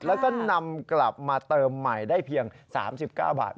แล้วก็นำกลับมาเติมใหม่ได้เพียง๓๙บาท